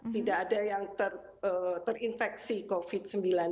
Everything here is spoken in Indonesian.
tidak ada yang terinfeksi covid sembilan belas